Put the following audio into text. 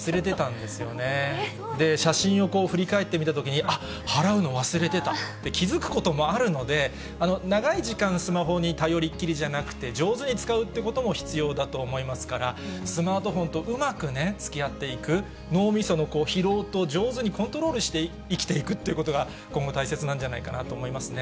で、写真をこう振り返ってみたときに、あっ、払うの忘れてたって気付くこともあるので、長い時間、スマホに頼りっきりじゃなくて、上手に使うってことも必要だと思いますから、スマートフォンとうまくね、つきあっていく、脳みその疲労と上手にコントロールして生きていくっていうことが、今後大切なんじゃないかなと思いますね。